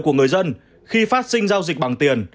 của người dân khi phát sinh giao dịch bằng tiền